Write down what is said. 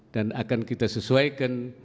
dan akan kita sesuaikan